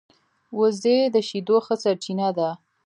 وزې د شیدو ښه سرچینه ده